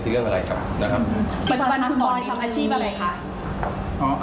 ที่เรื่องอะไรครับนะครับปัจจุบันคุณบอยทำอาชีพอะไรค่ะอ๋อ